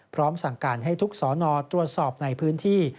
พร้อมสั่งการให้ทุกสอนอตรวจสอบในพื้นที่